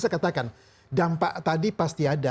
saya katakan dampak tadi pasti ada